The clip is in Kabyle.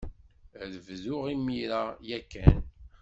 Ad bduɣ imir-a ya kan.